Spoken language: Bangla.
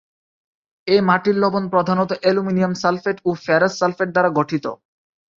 এ মাটির লবণ প্রধানত অ্যালুমিনিয়াম সালফেট ও ফেরাস সালফেট দ্বারা গঠিত।